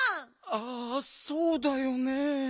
ああそうだよねえ。